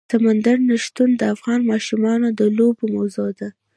سمندر نه شتون د افغان ماشومانو د لوبو موضوع ده.